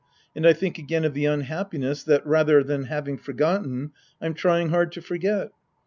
And I think again of the unhappiness that, rather than having forgotten, I'm trying hard to forget.